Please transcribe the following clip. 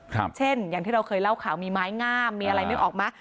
เช่นอย่างที่เราเคยเล่าข่าวมีไม้งามมีอะไรนึกออกมา